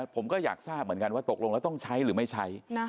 ผมก็อยากทราบเหมือนกันว่าตกลงแล้วต้องใช้หรือไม่ใช้